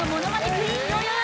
クイーンよよよ